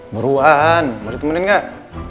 buruan mau ditemenin gak